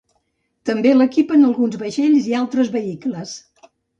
També l'equipen alguns vaixells i altres vehicles.